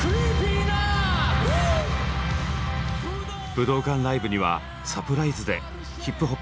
武道館ライブにはサプライズでＨＩＰＨＯＰ